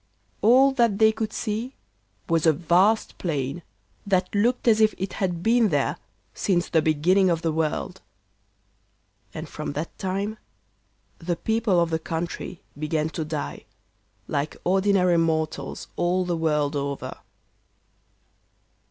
All that they could see was a vast plain, that looked as if it had been there since the beginning of the world. And from that time the people of the country began to die like ordinary mortals all the world over.